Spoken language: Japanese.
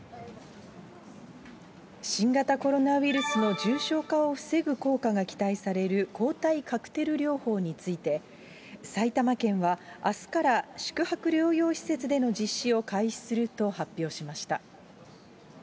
新型コロナウイルスの重症化を防ぐ効果が期待される抗体カクテル療法について、埼玉県は、あすから宿泊療養施設での実施を開始すると発表しました。